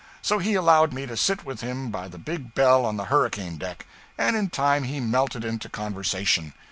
So he allowed me to sit with him by the big bell on the hurricane deck, and in time he melted into conversation.